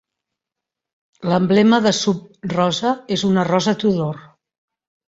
L'emblema de Sub Rosa és una rosa Tudor.